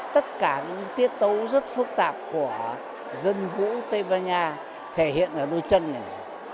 tất cả những tiết tấu rất phức tạp của dân vũ tây ban nha thể hiện ở đôi chân này